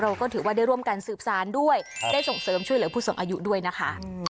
เราก็ถือว่าได้ร่วมกันสืบสารด้วยได้ส่งเสริมช่วยเหลือผู้สูงอายุด้วยนะคะ